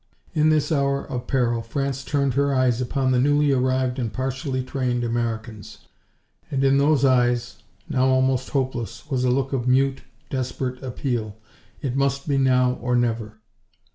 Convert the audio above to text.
In this hour of peril France turned her eyes upon the newly arrived and partially trained Americans, and in those eyes, now almost hopeless, was a look of mute, desperate appeal. It must be now or never!